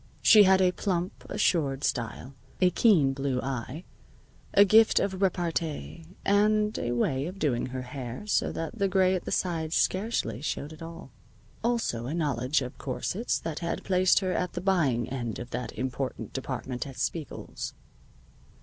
She had a plump, assured style, a keen blue eye, a gift of repartee, and a way of doing her hair so that the gray at the sides scarcely showed at all. Also a knowledge of corsets that had placed her at the buying end of that important department at Spiegel's.